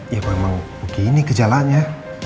ya gue emang begini kejalanya